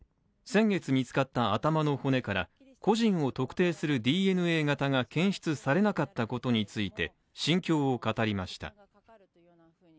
先月見つかった頭の骨から個人を特定するＤＮＡ型が検出されなかったことについて心境を語りました。